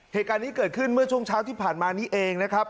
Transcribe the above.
เหตุการณ์นี้เกิดขึ้นเมื่อช่วงเช้าที่ผ่านมานี้เองนะครับ